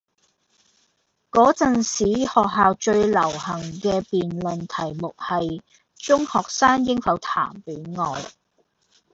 嗰陣時學校最流行嘅辯論題目係：中學生應否談戀愛?